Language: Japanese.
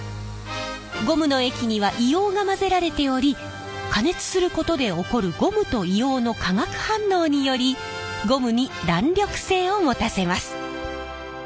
ゴムの液には硫黄が混ぜられており加熱することで起こるゴムと硫黄の化学反応によりゴムに弾力性を持たせます。